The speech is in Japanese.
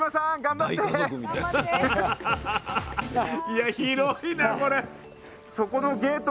いや広いなこれ。